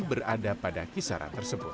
berada pada kisaran tersebut